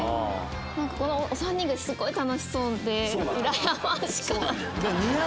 なんかこのお３人がすごい楽しそうでうらやましかった。